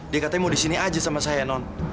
dia katanya mau di sini aja sama saya non